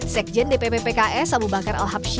sekjen dpp pks abu bakar alhamdulillah